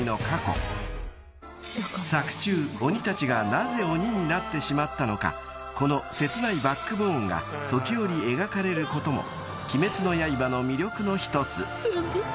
［作中鬼たちがなぜ鬼になってしまったのかこの切ないバックボーンが時折描かれることも『鬼滅の刃』の魅力の１つ］